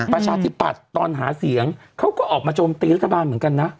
ประชาธิปัตย์ตอนหาเสียงเขาก็ออกมาโจมตีรัฐบาลเหมือนกันนะ